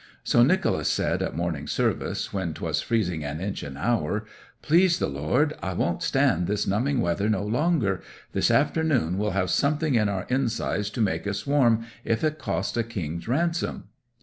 So Nicholas said at morning service, when 'twas freezing an inch an hour, "Please the Lord I won't stand this numbing weather no longer: this afternoon we'll have something in our insides to make us warm, if it cost a king's ransom."